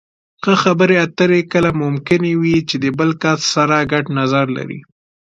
ښه خبرې اترې کله ممکنې وي چې د بل کس سره ګډ نظر لرئ.